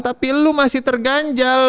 tapi elu masih terganjal